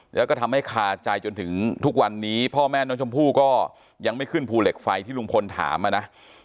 แล้วก็ทำให้คาใจจนถึงทุกวันนี้พ่อแม่น้องชมพู่ก็ยังไม่ขึ้นภูเหล็กไฟที่ลุงพลถามมานะ